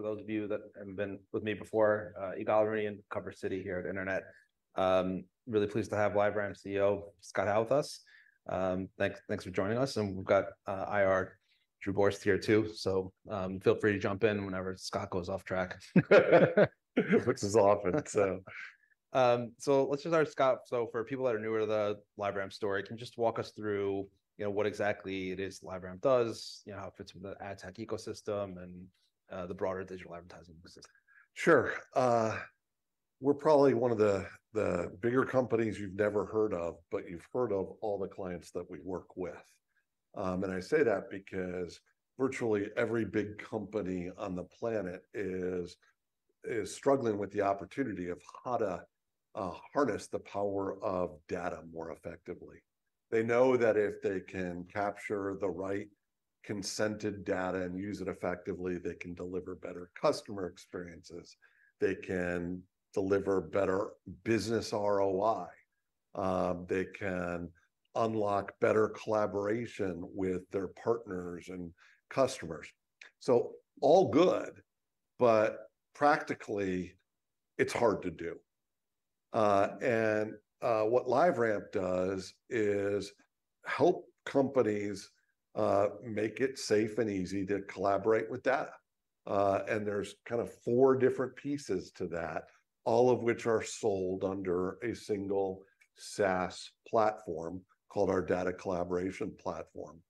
For those of you that haven't been with me before, Ygal and covering Citi here at Internet. Really pleased to have LiveRamp CEO Scott Howe with us. Thanks, thanks for joining us, and we've got IR Drew Borst here, too. So, feel free to jump in whenever Scott goes off track. Which is often, so. So let's just start, Scott. So for people that are newer to the LiveRamp story, can you just walk us through, you know, what exactly it is LiveRamp does, you know, how it fits with the ad tech ecosystem, and the broader digital advertising ecosystem? Sure. We're probably one of the bigger companies you've never heard of, but you've heard of all the clients that we work with. And I say that because virtually every big company on the planet is struggling with the opportunity of how to harness the power of data more effectively. They know that if they can capture the right consented data and use it effectively, they can deliver better customer experiences, they can deliver better business ROI, they can unlock better collaboration with their partners and customers. So all good, but practically, it's hard to do. And what LiveRamp does is help companies make it safe and easy to collaborate with data. And there's kind of four different pieces to that, all of which are sold under a single SaaS platform called our Data Collaboration Platform.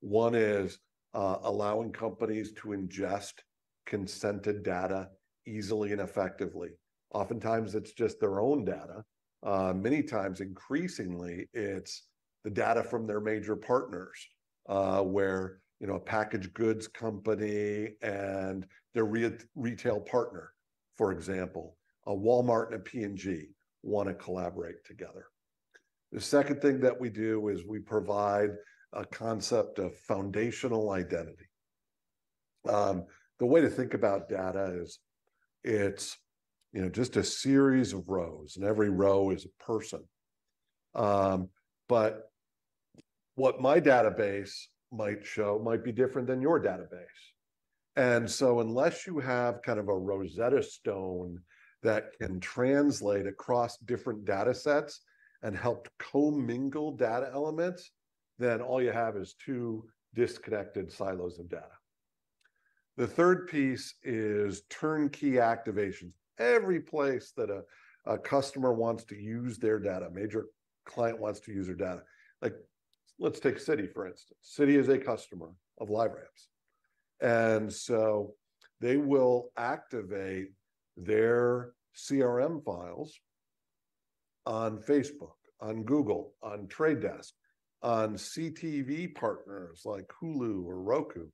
One is allowing companies to ingest consented data easily and effectively. Oftentimes, it's just their own data. Many times, increasingly, it's the data from their major partners, where, you know, a packaged goods company and their retail partner, for example, a Walmart and a P&G, want to collaborate together. The second thing that we do is we provide a concept of foundational identity. The way to think about data is it's, you know, just a series of rows, and every row is a person. But what my database might show might be different than your database. And so unless you have kind of a Rosetta Stone that can translate across different data sets and help co-mingle data elements, then all you have is two disconnected silos of data. The third piece is turnkey activations. Every place that a customer wants to use their data, a major client wants to use their data. Like, let's take Citi, for instance. Citi is a customer of LiveRamp's, and so they will activate their CRM files on Facebook, on Google, on Trade Desk, on CTV partners like Hulu or Roku,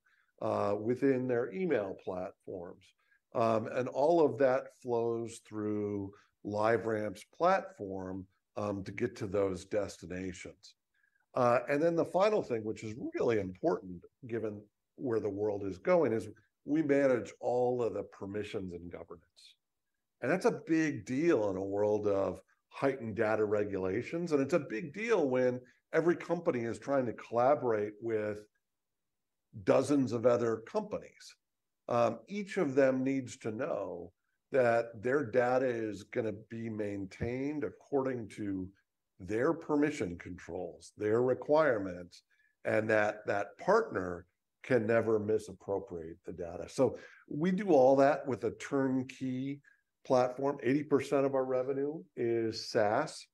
within their email platforms. And all of that flows through LiveRamp's platform to get to those destinations. And then the final thing, which is really important given where the world is going, is we manage all of the permissions and governance. And that's a big deal in a world of heightened data regulations, and it's a big deal when every company is trying to collaborate with dozens of other companies. Each of them needs to know that their data is gonna be maintained according to their permission controls, their requirements, and that that partner can never misappropriate the data. So we do all that with a turnkey platform. 80% of our revenue is SaaS.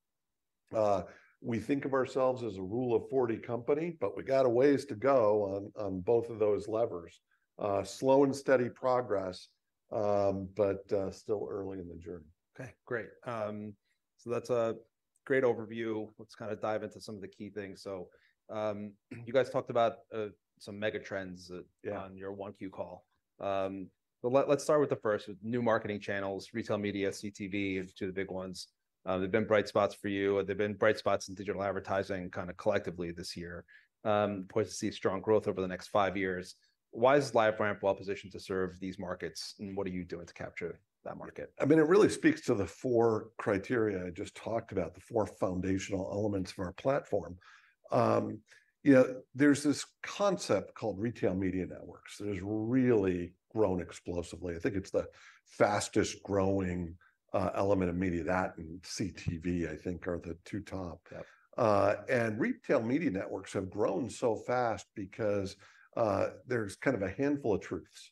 We think of ourselves as a Rule of 40 company, but we got a ways to go on both of those levers. Slow and steady progress, but still early in the journey. Okay, great. So that's a great overview. Let's kinda dive into some of the key things. So, you guys talked about some mega trends. Yeah... on your 1Q call. But let's start with the first, with new marketing channels, Retail Media, CTV are two of the big ones. They've been bright spots for you, or they've been bright spots in digital advertising kinda collectively this year. Poised to see strong growth over the next five years. Why is LiveRamp well positioned to serve these markets, and what are you doing to capture that market? I mean, it really speaks to the four criteria I just talked about, the four foundational elements of our platform. You know, there's this concept called Retail Media Networks that has really grown explosively. I think it's the fastest growing element of media. That and CTV, I think, are the two top. Yep. Retail Media Networks have grown so fast because, there's kind of a handful of truths.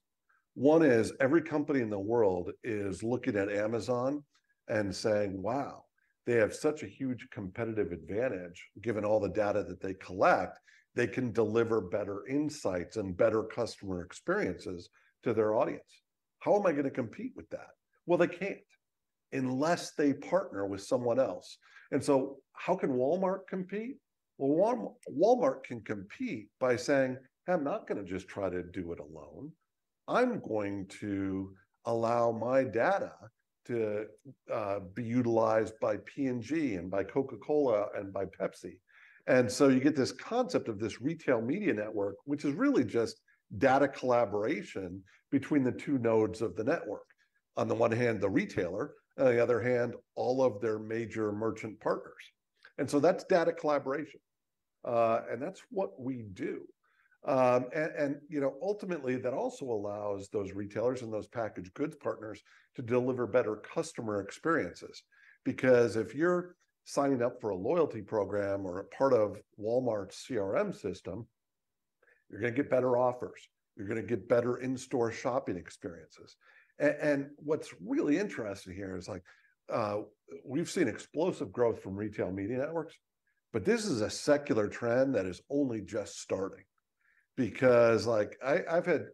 One is, every company in the world is looking at Amazon and saying: "Wow, they have such a huge competitive advantage. Given all the data that they collect, they can deliver better insights and better customer experiences to their audience. How am I gonna compete with that?" Well, they can't, unless they partner with someone else. And so how can Walmart compete? Well, Walmart can compete by saying: "I'm not gonna just try to do it alone. I'm going to allow my data to be utilized by P&G, and by Coca-Cola, and by Pepsi." And so you get this concept of this Retail Media Network, which is really just data collaboration between the two nodes of the network. On the one hand, the retailer, on the other hand, all of their major merchant partners, and so that's data collaboration. And that's what we do. And, you know, ultimately, that also allows those retailers and those packaged goods partners to deliver better customer experiences, because if you're signing up for a loyalty program or a part of Walmart's CRM system, you're gonna get better offers. You're gonna get better in-store shopping experiences. And what's really interesting here is, like, we've seen explosive growth from Retail Media Networks, but this is a secular trend that is only just starting. Because, like, I've had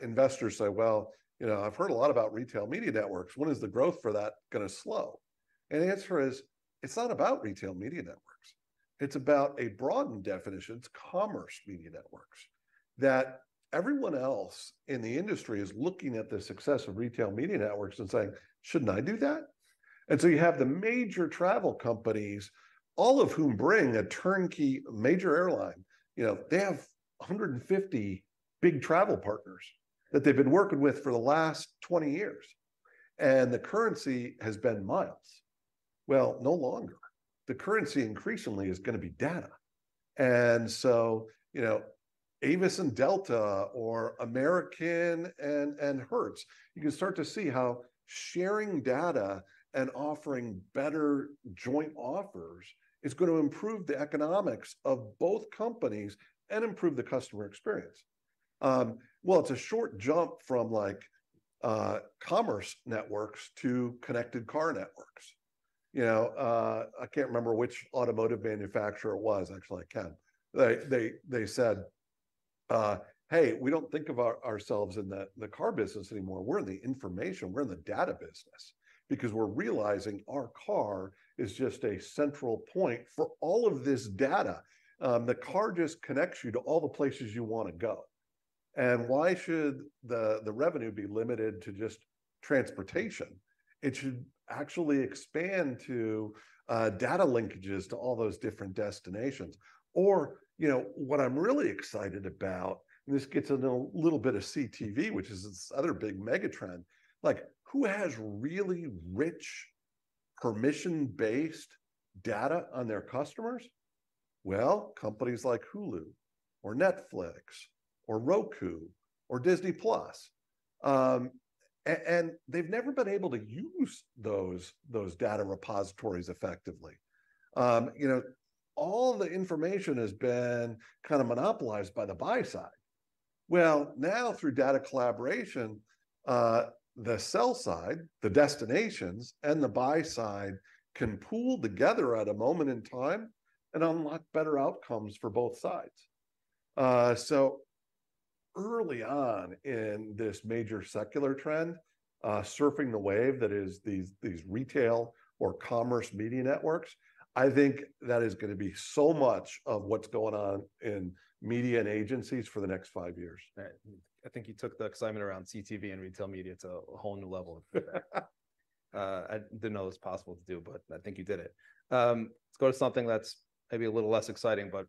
investors say, "Well, you know, I've heard a lot about Retail Media Networks. When is the growth for that gonna slow?" And the answer is, it's not about Retail Media Networks, it's about a broadened definition. It's Commerce Media Networks, that everyone else in the industry is looking at the success of Retail Media Networks and saying, "Shouldn't I do that?" And so you have the major travel companies, all of whom bring a turnkey... Major airline, you know, they have 150 big travel partners that they've been working with for the last 20 years, and the currency has been miles. Well, no longer. The currency increasingly is gonna be data. And so, you know, Avis and Delta, or American and, and Hertz, you can start to see how sharing data and offering better joint offers is gonna improve the economics of both companies and improve the customer experience. Well, it's a short jump from, like, Commerce Networks to Connected Car Networks. You know, I can't remember which automotive manufacturer it was. Actually, I can. They said, "Hey, we don't think about ourselves in the car business anymore. We're in the information, we're in the data business, because we're realizing our car is just a central point for all of this data." The car just connects you to all the places you wanna go, and why should the revenue be limited to just transportation? It should actually expand to data linkages to all those different destinations. Or, you know, what I'm really excited about, and this gets into a little bit of CTV, which is this other big mega trend, like, who has really rich, permission-based data on their customers? Well, companies like Hulu, or Netflix, or Roku, or Disney+. And they've never been able to use those data repositories effectively. You know, all the information has been kind of monopolized by the buy side. Well, now through data collaboration, the sell side, the destinations, and the buy side can pool together at a moment in time and unlock better outcomes for both sides. So early on in this major secular trend, surfing the wave that is these Retail or Commerce Media Networks, I think that is gonna be so much of what's going on in media and agencies for the next five years. I think you took the excitement around CTV and Retail Media to a whole new level. I didn't know that was possible to do, but I think you did it. Let's go to something that's maybe a little less exciting, but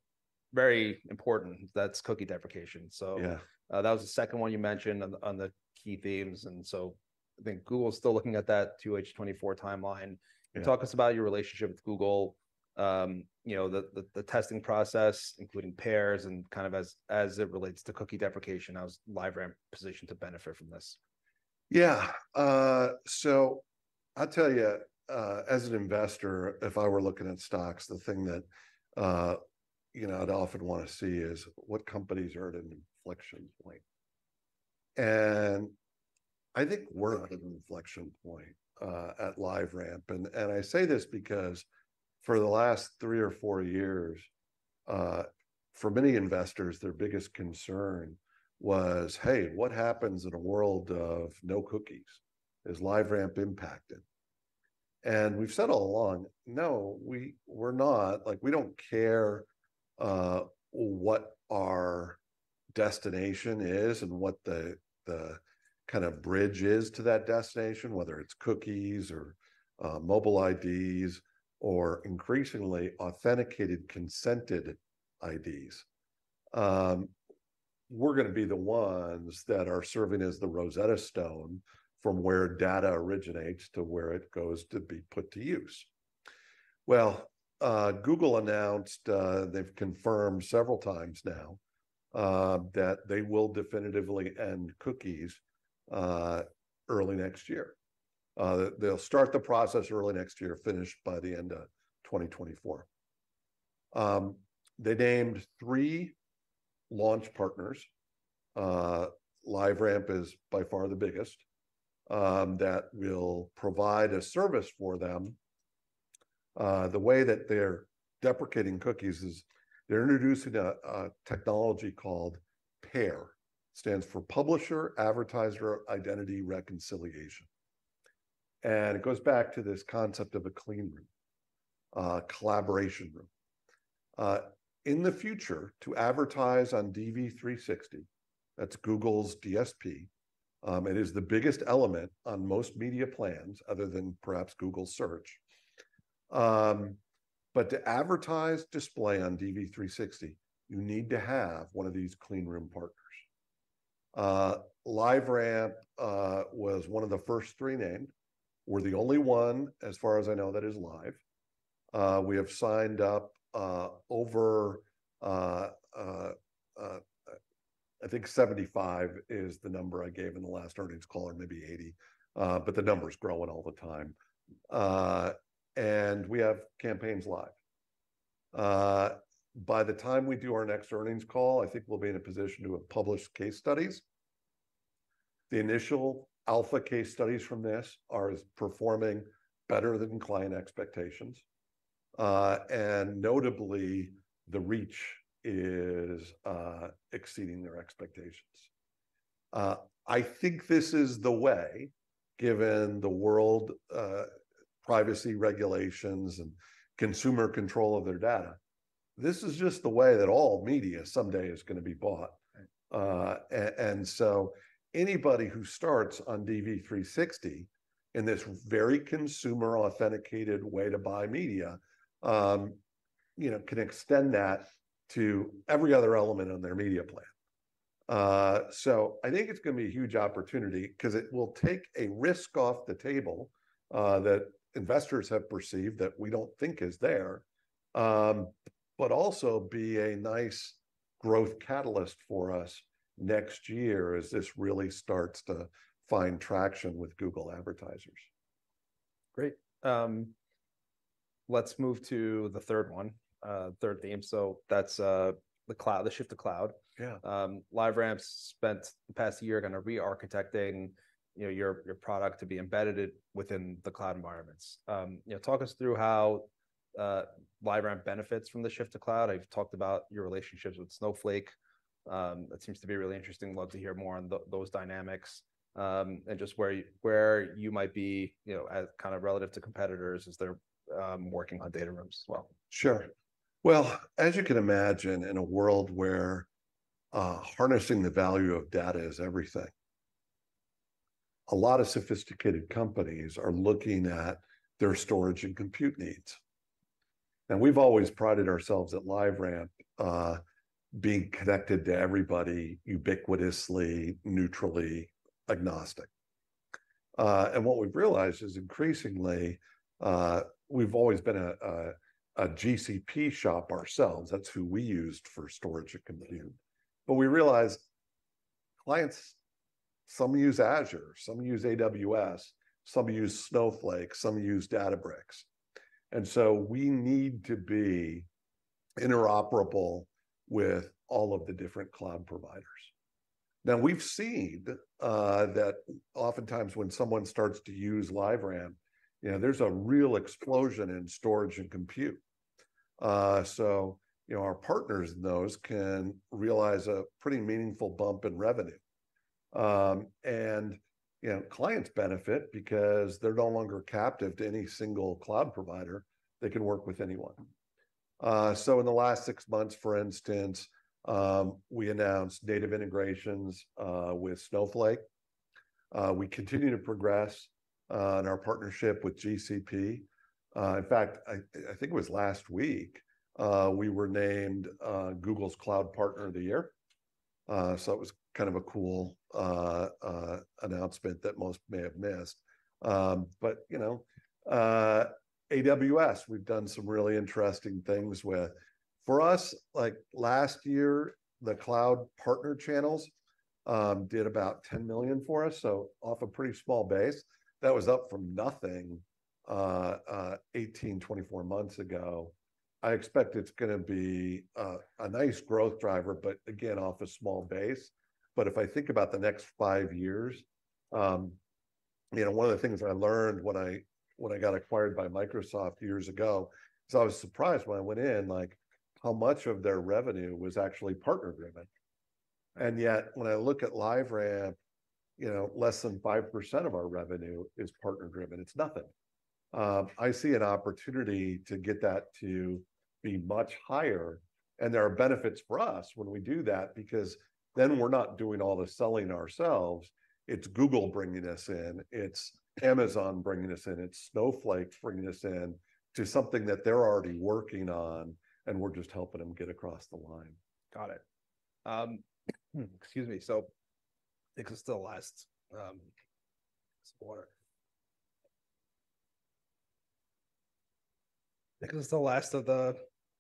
very important, that's cookie deprecation, so- Yeah... that was the second one you mentioned on the, on the key themes, and so I think Google's still looking at that Q1 2024 timeline. Yeah. Can you talk us about your relationship with Google, you know, the testing process, including PAIR and kind of as it relates to cookie deprecation, how's LiveRamp positioned to benefit from this? Yeah. So I'll tell you, as an investor, if I were looking at stocks, the thing that, you know, I'd often wanna see is what companies are at an inflection point. And I think we're at an inflection point, at LiveRamp, and I say this because for the last three or four years, for many investors, their biggest concern was, "Hey, what happens in a world of no cookies? Is LiveRamp impacted?" And we've said all along, "No, we, we're not." Like, we don't care, what our destination is and what the, the kind of bridge is to that destination, whether it's cookies or, mobile IDs or increasingly authenticated, consented IDs. We're gonna be the ones that are serving as the Rosetta Stone from where data originates to where it goes to be put to use. Well, Google announced, they've confirmed several times now, that they will definitively end cookies, early next year. They'll start the process early next year, finish by the end of 2024. They named three launch partners, LiveRamp is by far the biggest, that will provide a service for them. The way that they're deprecating cookies is, they're introducing a technology called PAIR. Stands for Publisher Advertiser Identity Reconciliation, and it goes back to this concept of a Clean Room, collaboration room. In the future, to advertise on DV360, that's Google's DSP, it is the biggest element on most media plans, other than perhaps Google Search. But to advertise display on DV360, you need to have one of these Clean Room partners.... LiveRamp was one of the first three named. We're the only one, as far as I know, that is live. We have signed up, over, I think 75 is the number I gave in the last earnings call, or maybe 80, but the number's growing all the time. And we have campaigns live. By the time we do our next earnings call, I think we'll be in a position to have published case studies. The initial alpha case studies from this are performing better than client expectations, and notably, the reach is exceeding their expectations. I think this is the way, given the world, privacy regulations and consumer control of their data, this is just the way that all media someday is gonna be bought. Right. And so anybody who starts on DV360, in this very consumer-authenticated way to buy media, you know, can extend that to every other element on their media plan. So I think it's gonna be a huge opportunity, 'cause it will take a risk off the table, that investors have perceived that we don't think is there, but also be a nice growth catalyst for us next year as this really starts to find traction with Google advertisers. Great, let's move to the third one, third theme. So that's, the cloud, the shift to cloud. Yeah. LiveRamp spent the past year kinda re-architecting, you know, your, your product to be embedded it within the cloud environments. You know, talk us through how LiveRamp benefits from the shift to cloud. I've talked about your relationships with Snowflake. That seems to be really interesting. Love to hear more on those dynamics, and just where you might be, you know, as kind of relative to competitors as they're working on data rooms as well. Sure. Well, as you can imagine, in a world where harnessing the value of data is everything, a lot of sophisticated companies are looking at their storage and compute needs. And we've always prided ourselves at LiveRamp being connected to everybody ubiquitously, neutrally, agnostic. And what we've realized is, increasingly, we've always been a GCP shop ourselves. That's who we used for storage and compute. But we realized clients, some use Azure, some use AWS, some use Snowflake, some use Databricks, and so we need to be interoperable with all of the different cloud providers. Now, we've seen that oftentimes when someone starts to use LiveRamp, you know, there's a real explosion in storage and compute. So, you know, our partners in those can realize a pretty meaningful bump in revenue. And you know, clients benefit because they're no longer captive to any single cloud provider. They can work with anyone. So in the last six months, for instance, we announced native integrations with Snowflake. We continue to progress in our partnership with GCP. In fact, I think it was last week, we were named Google's Cloud Partner of the Year. So it was kind of a cool announcement that most may have missed. But you know, AWS, we've done some really interesting things with. For us, like last year, the cloud partner channels did about $10 million for us, so off a pretty small base. That was up from nothing 18-24 months ago. I expect it's gonna be a nice growth driver, but again, off a small base. But if I think about the next five years, you know, one of the things I learned when I got acquired by Microsoft years ago, is I was surprised when I went in, like, how much of their revenue was actually partner-driven. And yet, when I look at LiveRamp, you know, less than 5% of our revenue is partner-driven. It's nothing. I see an opportunity to get that to be much higher, and there are benefits for us when we do that, because then we're not doing all the selling ourselves. It's Google bringing us in, it's Amazon bringing us in, it's Snowflake bringing us in to something that they're already working on, and we're just helping them get across the line. Got it. Excuse me. So I think this is the last, some water. I think this is the last of the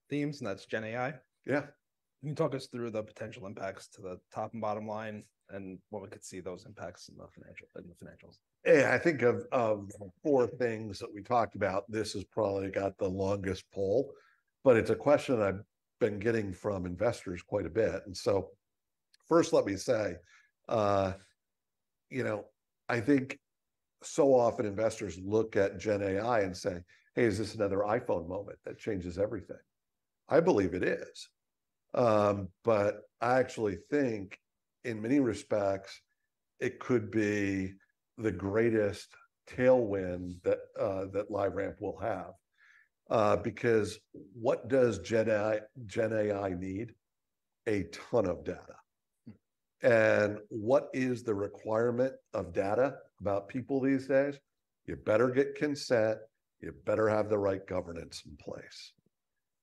themes, and that's GenAI. Yeah. Can you talk us through the potential impacts to the top and bottom line, and what we could see those impacts in the financials? Yeah, I think of, of four things that we talked about, this has probably got the longest pull, but it's a question that I've been getting from investors quite a bit. First, let me say, you know, I think so often investors look at GenAI and say, "Hey, is this another iPhone moment that changes everything?" I believe it is. But I actually think in many respects, it could be the greatest tailwind that, that LiveRamp will have. Because what does GenAI need? A ton of data. Mm. What is the requirement of data about people these days? You better get consent, you better have the right governance in place.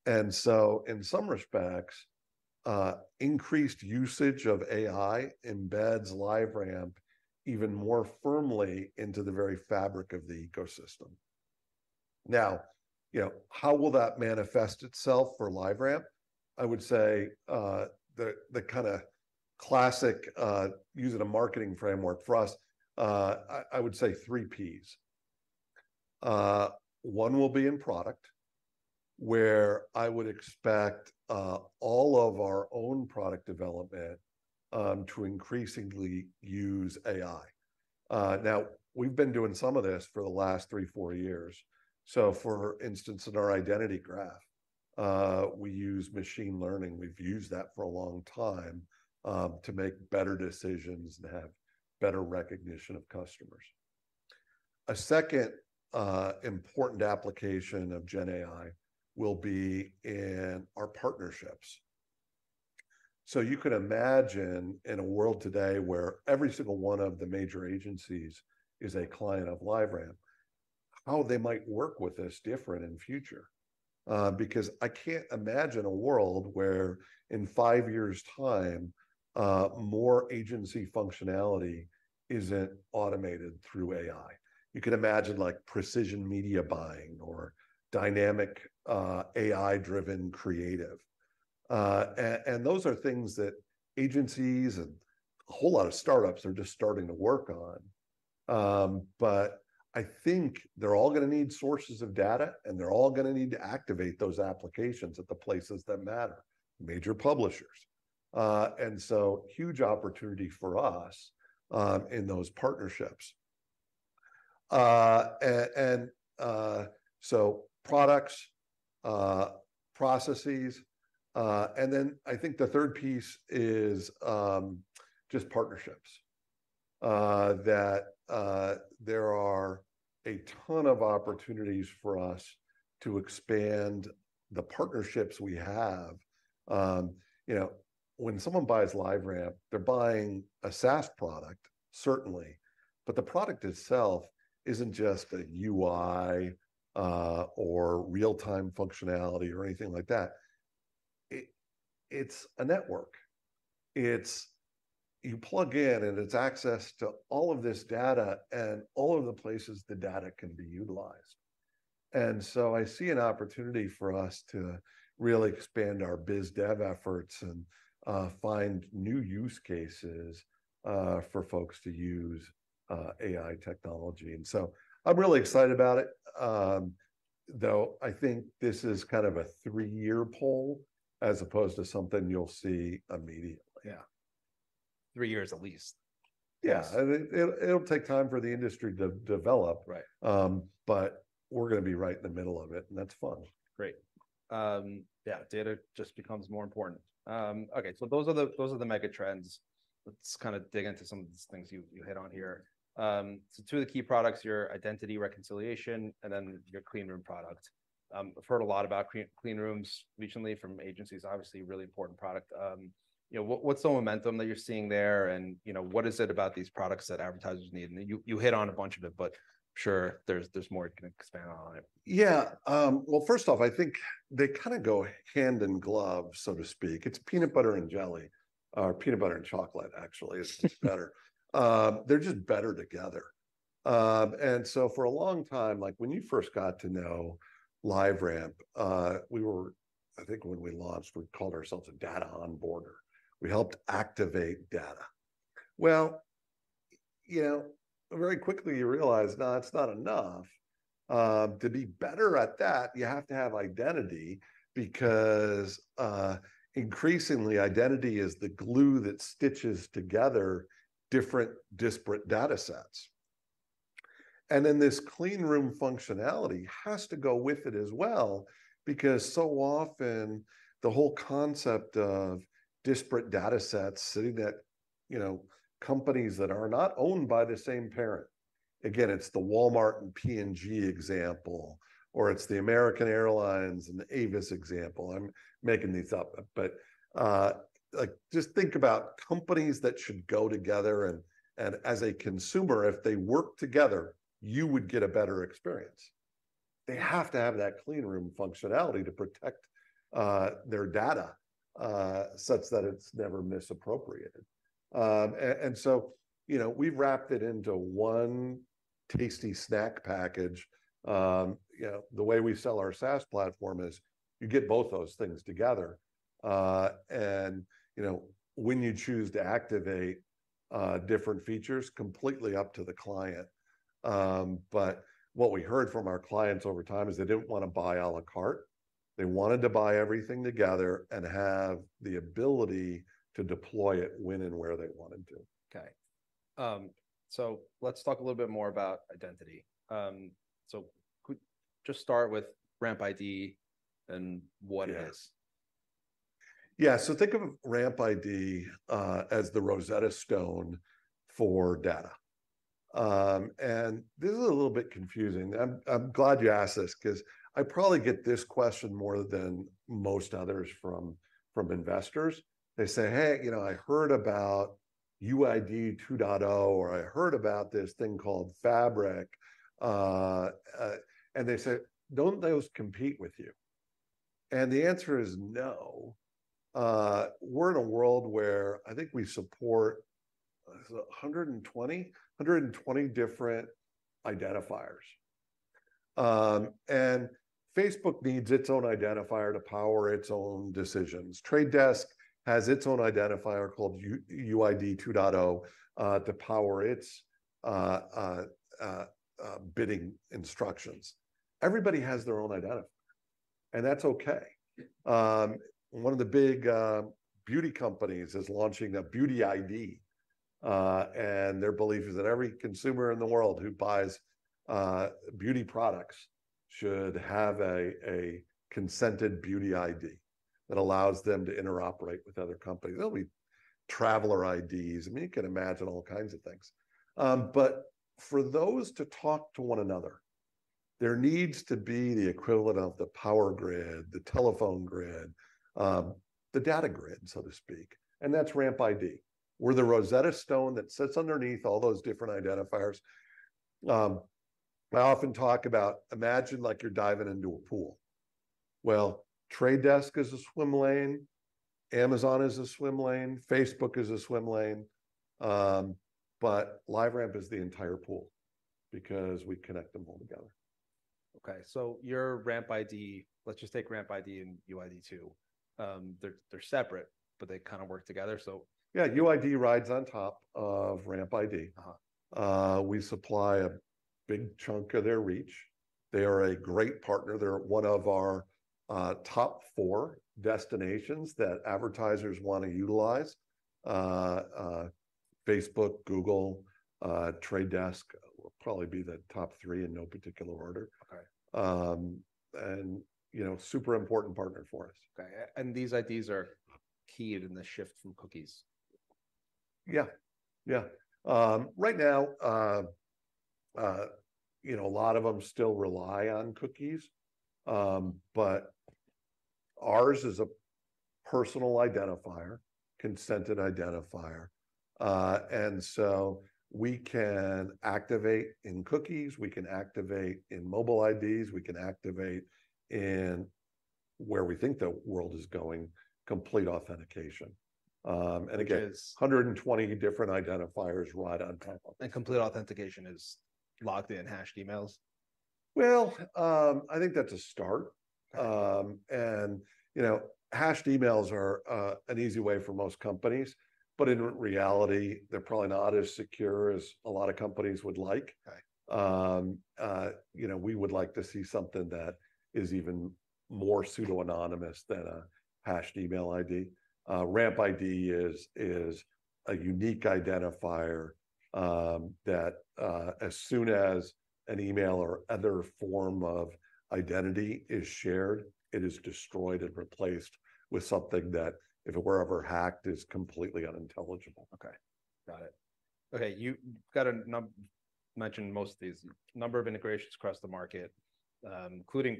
In some respects, increased usage of AI embeds LiveRamp even more firmly into the very Fabrick of the ecosystem. Now, you know, how will that manifest itself for LiveRamp? I would say, the kind of classic, using a marketing framework for us, I would say three Ps. One will be in product, where I would expect, all of our own product development, to increasingly use AI. Now, we've been doing some of this for the last three, four years. So for instance, in our Identity Graph, we use machine learning. We've used that for a long time, to make better decisions and have better recognition of customers. A second, important application of GenAI will be in our partnerships. So you can imagine in a world today where every single one of the major agencies is a client of LiveRamp, how they might work with us different in future. Because I can't imagine a world where, in five years' time, more agency functionality isn't automated through AI. You can imagine, like, precision media buying or dynamic, AI-driven creative. And those are things that agencies and a whole lot of start-ups are just starting to work on. But I think they're all gonna need sources of data, and they're all gonna need to activate those applications at the places that matter, major publishers. And so huge opportunity for us, in those partnerships. And so products, processes, and then I think the third piece is just partnerships that there are a ton of opportunities for us to expand the partnerships we have. You know, when someone buys LiveRamp, they're buying a SaaS product, certainly, but the product itself isn't just a UI or real-time functionality, or anything like that. It's a network. It's you plug in, and it's access to all of this data and all of the places the data can be utilized. And so I see an opportunity for us to really expand our biz dev efforts and find new use cases for folks to use AI technology, and so I'm really excited about it. Though I think this is kind of a three-year poll as opposed to something you'll see immediately. Yeah. Three years at least. Yeah, and it'll take time for the industry to develop- Right. But we're gonna be right in the middle of it, and that's fun. Great. Yeah, data just becomes more important. Okay, so those are the, those are the mega trends. Let's kind of dig into some of these things you, you hit on here. So two of the key products, your Identity Reconciliation, and then your Clean Room product. I've heard a lot about Clean Rooms recently from agencies, obviously a really important product. You know, what, what's the momentum that you're seeing there, and, you know, what is it about these products that advertisers need? And you, you hit on a bunch of it, but I'm sure there's, there's more you can expand on it. Yeah, well, first off, I think they kind of go hand in glove, so to speak. It's peanut butter and jelly, or peanut butter and chocolate, actually. It's better. They're just better together. And so for a long time, like, when you first got to know LiveRamp, we were... I think when we launched, we called ourselves a data onboarder. We helped activate data. Well, you know, very quickly you realize, nah, it's not enough. To be better at that, you have to have identity because, increasingly, identity is the glue that stitches together different disparate data sets. And then this Clean Room functionality has to go with it as well, because so often the whole concept of disparate data sets sitting at, you know, companies that are not owned by the same parent, again, it's the Walmart and P&G example, or it's the American Airlines and the Avis example. I'm making these up, but like, just think about companies that should go together, and as a consumer, if they work together, you would get a better experience. They have to have that Clean Room functionality to protect their data such that it's never misappropriated. And so, you know, we've wrapped it into one tasty snack package. You know, the way we sell our SaaS platform is, you get both those things together. And, you know, when you choose to activate different features, completely up to the client. But what we heard from our clients over time is they didn't wanna buy à la carte, they wanted to buy everything together and have the ability to deploy it when and where they wanted to. Okay, so let's talk a little bit more about identity. So could just start with RampID and what it is. Yeah, so think of RampID as the Rosetta Stone for data. This is a little bit confusing. I'm glad you asked this 'cause I probably get this question more than most others from investors. They say, "Hey, you know, I heard about UID 2.0, or I heard about this thing called Fabrick, and they said, "Don't those compete with you?" And the answer is no. We're in a world where I think we support 120 different identifiers. Facebook needs its own identifier to power its own decisions. Trade Desk has its own identifier called UID 2.0 to power its bidding instructions. Everybody has their own identifier, and that's okay. One of the big beauty companies is launching a beauty ID, and their belief is that every consumer in the world who buys beauty products should have a consented beauty ID that allows them to interoperate with other companies. There'll be traveler IDs. I mean, you can imagine all kinds of things. But for those to talk to one another, there needs to be the equivalent of the power grid, the telephone grid, the data grid, so to speak, and that's RampID. We're the Rosetta Stone that sits underneath all those different identifiers. I often talk about, imagine like you're diving into a pool. Well, Trade Desk is a swim lane, Amazon is a swim lane, Facebook is a swim lane, but LiveRamp is the entire pool, because we connect them all together. Okay, so your RampID, let's just take RampID and UID2. They're separate, but they kind of work together, so- Yeah, UID rides on top of RampID. Uh huh. We supply a big chunk of their reach. They are a great partner. They're one of our top four destinations that advertisers want to utilize. Facebook, Google, Trade Desk would probably be the top three in no particular order. Okay. You know, super important partner for us. Okay, and these IDs are key in the shift from cookies? Yeah, yeah. Right now, you know, a lot of them still rely on cookies, but ours is a personal identifier, consented identifier. And so we can activate in cookies, we can activate in mobile IDs, we can activate in where we think the world is going, complete authentication. And again- Is-... 120 different identifiers right on top of them. Complete authentication is logged in hashed emails? Well, I think that's a start. Okay. You know, hashed emails are an easy way for most companies, but in reality, they're probably not as secure as a lot of companies would like. Okay. You know, we would like to see something that is even more pseudonymous than a hashed email ID. RampID is a unique identifier that, as soon as an email or other form of identity is shared, it is destroyed and replaced with something that, if it were ever hacked, is completely unintelligible. Okay, got it. Okay, you've got a number mentioned most of these, number of integrations across the market, including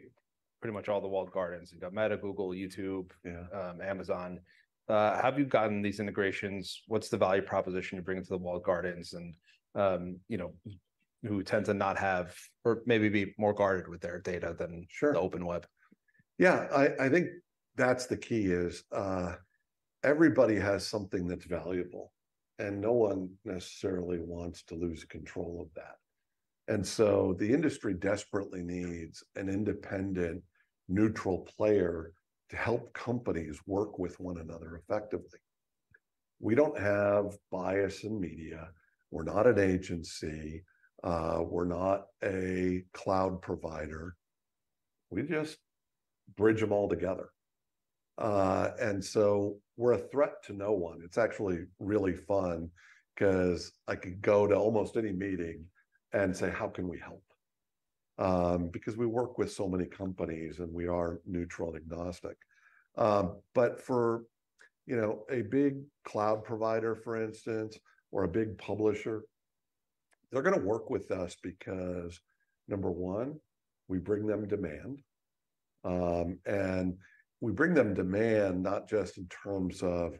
pretty much all the walled gardens. You've got Meta, Google, YouTube- Yeah... Amazon. How have you gotten these integrations? What's the value proposition you're bringing to the walled gardens and, you know, who tend to not have or maybe be more guarded with their data than- Sure... the open web? Yeah, I think that's the key, is everybody has something that's valuable, and no one necessarily wants to lose control of that. And so the industry desperately needs an independent, neutral player to help companies work with one another effectively. We don't have bias in media. We're not an agency. We're not a cloud provider. We just bridge them all together. And so we're a threat to no one. It's actually really fun, 'cause I could go to almost any meeting and say, "How can we help?" Because we work with so many companies, and we are neutral and agnostic. But for, you know, a big cloud provider, for instance, or a big publisher, they're gonna work with us because, number one, we bring them demand. And we bring them demand not just in terms of,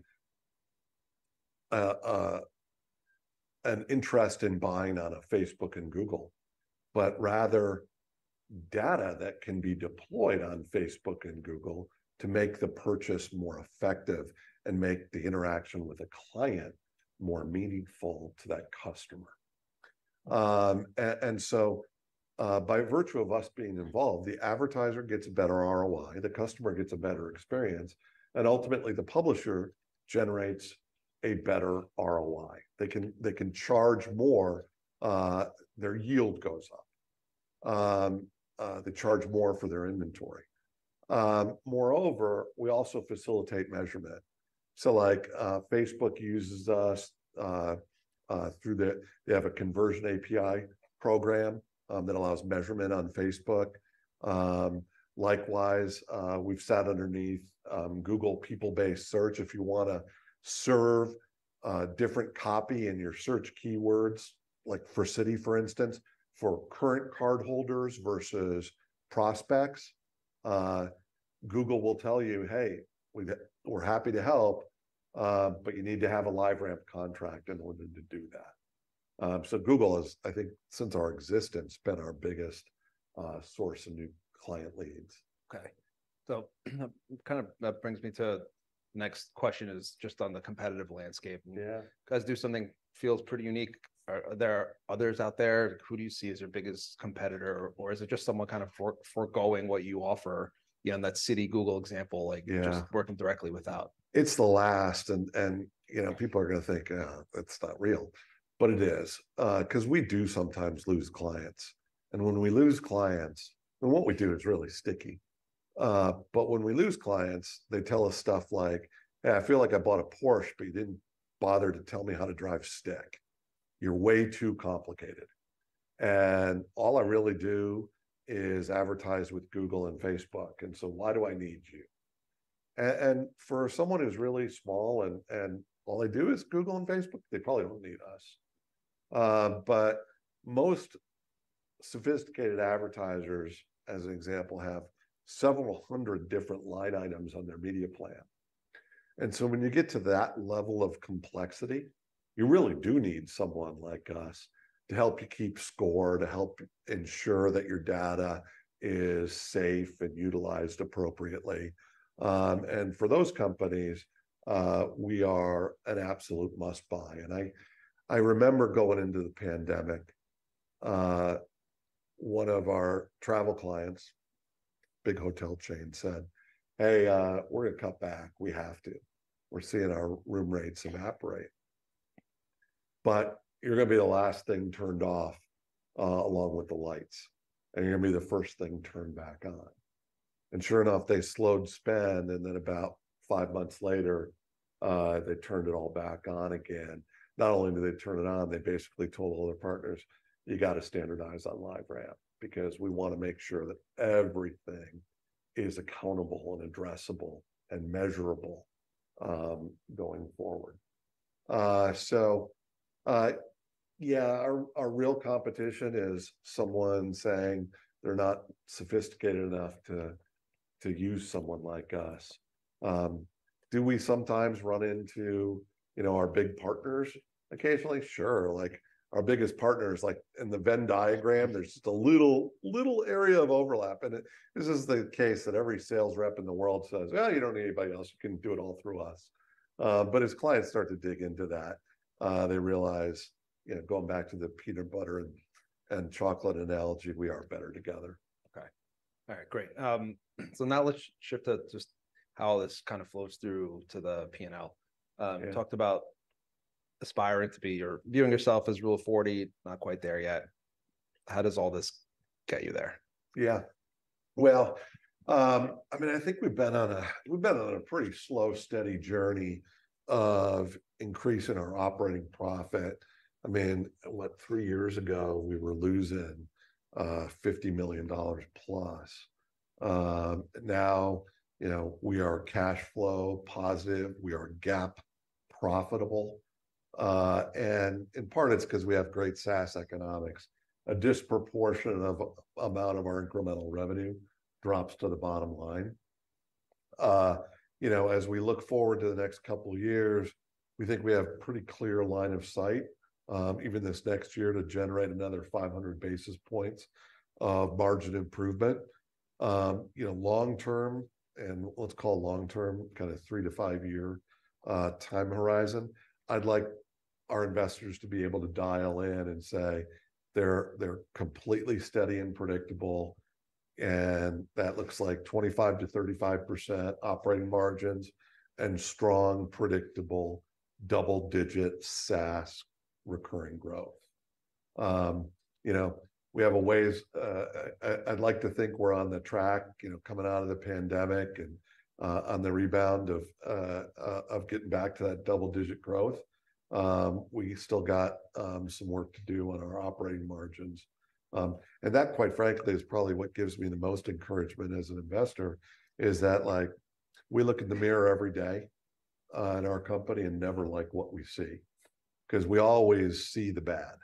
an interest in buying on a Facebook and Google, but rather data that can be deployed on Facebook and Google to make the purchase more effective and make the interaction with a client more meaningful to that customer. And so, by virtue of us being involved, the advertiser gets a better ROI, the customer gets a better experience, and ultimately, the publisher generates a better ROI. They can, they can charge more, their yield goes up. They charge more for their inventory. Moreover, we also facilitate measurement. So, like, Facebook uses us, through the—they have a Conversion API program, that allows measurement on Facebook. Likewise, we've sat underneath, Google people-based search. If you wanna serve a different copy in your search keywords, like for Citi, for instance, for current cardholders versus prospects, Google will tell you, "Hey, we're happy to help, but you need to have a LiveRamp contract in order to do that." So Google has, I think since our existence, been our biggest source of new client leads. Okay, so kind of that brings me to next question, is just on the competitive landscape. Yeah. You guys do something, feels pretty unique. Are there others out there? Who do you see as your biggest competitor, or is it just someone kind of foregoing what you offer? You know, in that Citi Google example, like- Yeah... just working directly without. It's the last, and you know, people are gonna think, "that's not real," but it is. 'Cause we do sometimes lose clients, and when we lose clients... And what we do is really sticky. But when we lose clients, they tell us stuff like, "Hey, I feel like I bought a Porsche, but you didn't bother to tell me how to drive stick. You're way too complicated, and all I really do is advertise with Google and Facebook, and so why do I need you?" And for someone who's really small, and all they do is Google and Facebook, they probably don't need us. But most sophisticated advertisers, as an example, have several hundred different line items on their media plan, and so when you get to that level of complexity, you really do need someone like us to help you keep score, to help ensure that your data is safe and utilized appropriately. And for those companies, we are an absolute must-buy. And I, I remember going into the pandemic, one of our travel clients, big hotel chain, said, "Hey, we're gonna cut back. We have to. We're seeing our room rates evaporate. But you're gonna be the last thing turned off, along with the lights, and you're gonna be the first thing turned back on." And sure enough, they slowed spend, and then about five months later, they turned it all back on again. Not only did they turn it on, they basically told all their partners, "You've got to standardize on LiveRamp, because we want to make sure that everything is accountable, and addressable, and measurable, going forward." So, yeah, our real competition is someone saying they're not sophisticated enough to use someone like us. Do we sometimes run into, you know, our big partners occasionally? Sure. Like, our biggest partners, like in the Venn diagram, there's just a little area of overlap, and this is the case that every sales rep in the world says, "Well, you don't need anybody else. You can do it all through us." But as clients start to dig into that, they realize, you know, going back to the peanut butter and chocolate analogy, we are better together. Okay. All right, great. So now let's shift to just how this kind of flows through to the P&L. Yeah. You talked about aspiring to be or viewing yourself as Rule of 40. Not quite there yet. How does all this get you there? Yeah. Well, I mean, I think we've been on a pretty slow, steady journey of increasing our operating profit. I mean, what, three years ago we were losing $50 million plus. Now, you know, we are cash flow positive. We are GAAP profitable. And in part it's 'cause we have great SaaS economics. A disproportionate amount of our incremental revenue drops to the bottom line. You know, as we look forward to the next couple of years, we think we have pretty clear line of sight, even this next year, to generate another 500 basis points of margin improvement. You know, long term, and let's call long term kind of three to five-year time horizon, I'd like our investors to be able to dial in and say, "They're, they're completely steady and predictable," and that looks like 25%-35% operating margins and strong, predictable, double-digit SaaS recurring growth. You know, I'd like to think we're on the track, you know, coming out of the pandemic and on the rebound of getting back to that double-digit growth. We still got some work to do on our operating margins. And that, quite frankly, is probably what gives me the most encouragement as an investor, is that, like, we look in the mirror every day in our company and never like what we see, 'cause we always see the bad.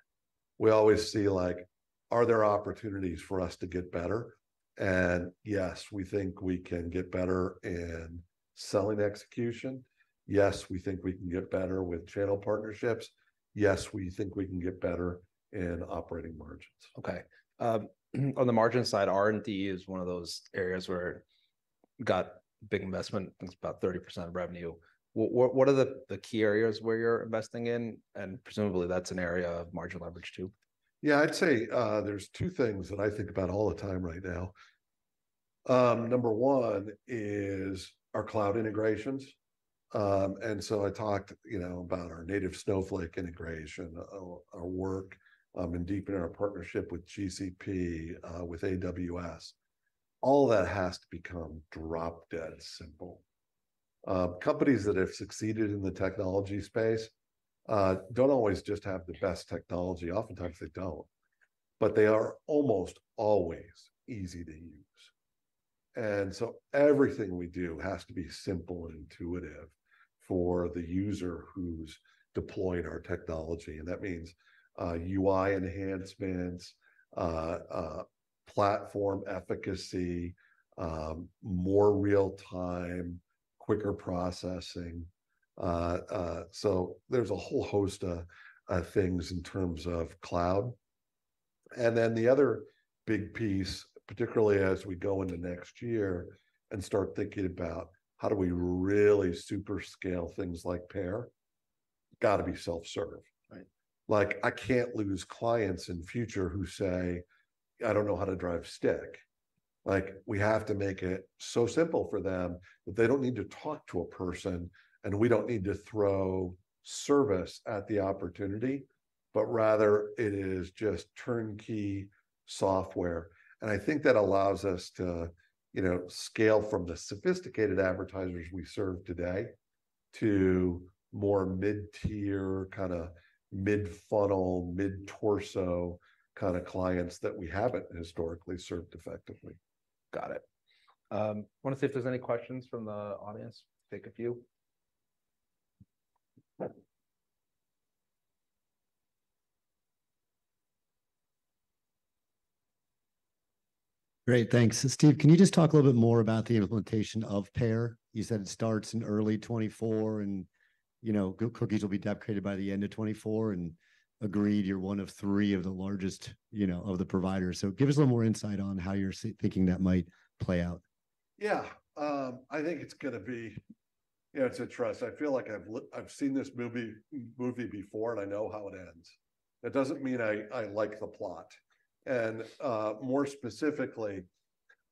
We always see, like, are there opportunities for us to get better? And yes, we think we can get better in selling execution. Yes, we think we can get better with channel partnerships. Yes, we think we can get better in operating margins. Okay, on the margin side, R&D is one of those areas where you got big investment. I think it's about 30% of revenue. What are the key areas where you're investing in? And presumably, that's an area of margin leverage, too. Yeah, I'd say, there's two things that I think about all the time right now. Number one is our cloud integrations. And so I talked, you know, about our native Snowflake integration, our work in deepening our partnership with GCP, with AWS. All that has to become drop-dead simple. Companies that have succeeded in the technology space don't always just have the best technology. Oftentimes, they don't, but they are almost always easy to use. And so everything we do has to be simple and intuitive for the user who's deploying our technology, and that means UI enhancements, platform efficacy, more real time, quicker processing, so there's a whole host of things in terms of cloud. And then the other big piece, particularly as we go into next year and start thinking about, how do we really super scale things like PAIR? Gotta be self-serve. Right. Like, I can't lose clients in future who say, "I don't know how to drive stick." Like, we have to make it so simple for them that they don't need to talk to a person, and we don't need to throw service at the opportunity, but rather it is just turnkey software. And I think that allows us to, you know, scale from the sophisticated advertisers we serve today to more mid-tier, kinda mid-funnel, mid-torso kinda clients that we haven't historically served effectively. Got it. Wanna see if there's any questions from the audience. Take a few. Great, thanks. Steve, can you just talk a little bit more about the implementation of PAIR? You said it starts in early 2024, and, you know, cookies will be deprecated by the end of 2024, and agreed, you're one of three of the largest, you know, of the providers. So give us a little more insight on how you're thinking that might play out. Yeah. I think it's gonna be... Yeah, it's a trust. I feel like I've seen this movie before, and I know how it ends. That doesn't mean I like the plot. And more specifically,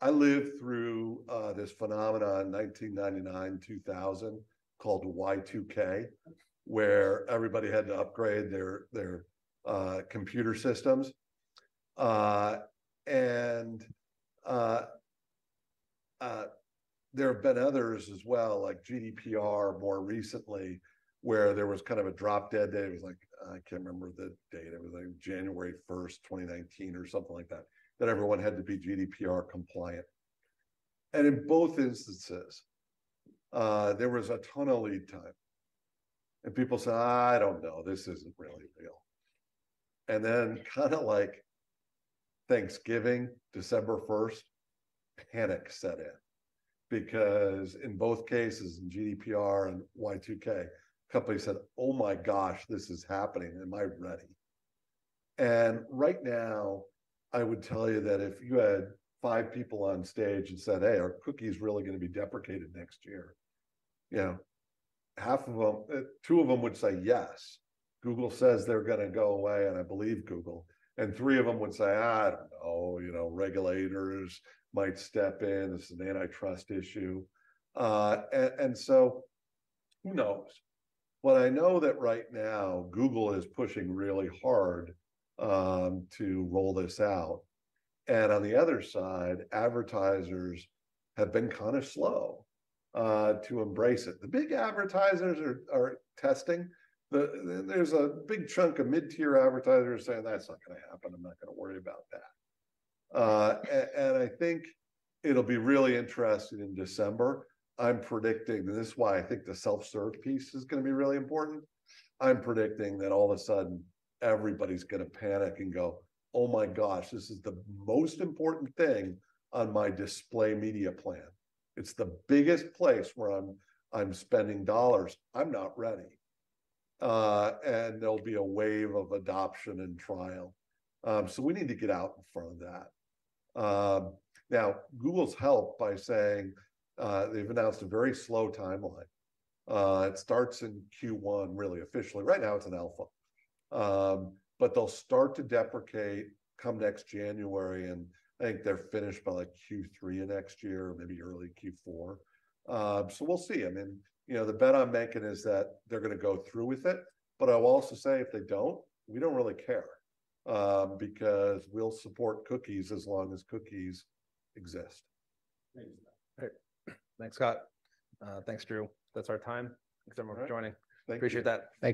I lived through this phenomenon in 1999, 2000, called Y2K, where everybody had to upgrade their computer systems. And there have been others as well, like GDPR more recently, where there was kind of a drop-dead date. It was like, I can't remember the date. It was like 1 January 2019, or something like that, that everyone had to be GDPR compliant. And in both instances, there was a ton of lead time, and people said, "I don't know. This isn't really real." And then, kind of like Thanksgiving, 1 December 2019, panic set in because in both cases, in GDPR and Y2K, companies said: "Oh, my gosh, this is happening. Am I ready?" And right now, I would tell you that if you had five people on stage and said, "Hey, are cookies really gonna be deprecated next year?" You know, half of them, two of them would say, "Yes. Google says they're gonna go away, and I believe Google." And three of them would say, "I don't know. You know, regulators might step in. This is an antitrust issue." And so who knows? But I know that right now, Google is pushing really hard to roll this out, and on the other side, advertisers have been kind of slow to embrace it. The big advertisers are testing. There's a big chunk of mid-tier advertisers saying: "That's not gonna happen. I'm not gonna worry about that." And I think it'll be really interesting in December. I'm predicting, and this is why I think the self-serve piece is gonna be really important. I'm predicting that all of a sudden, everybody's gonna panic and go, "Oh, my gosh, this is the most important thing on my display media plan. It's the biggest place where I'm spending dollars. I'm not ready." And there'll be a wave of adoption and trial. So we need to get out in front of that. Now, Google's helped by saying they've announced a very slow timeline. It starts in Q1, really officially. Right now, it's in alpha. But they'll start to deprecate come next January, and I think they're finished by, like, Q3 of next year, maybe early Q4. So we'll see. I mean, you know, the bet I'm making is that they're gonna go through with it, but I will also say, if they don't, we don't really care, because we'll support cookies as long as cookies exist. Thanks. Alright. Thanks, Scott. Thanks, Drew. That's our time. Thanks, everyone, for joining. Thank you. Appreciate that. Thank you.